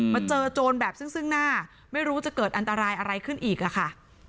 มาเจอโจรแบบซึ่งหน้าไม่รู้จะเกิดอันตรายอะไรขึ้นอีกอะค่ะ